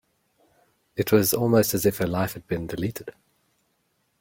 It was almost as if her life had been deleted.